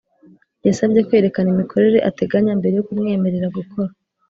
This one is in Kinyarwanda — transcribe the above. yasabwe kwerekana imikorere ateganya mbere yo kumwemerera gukora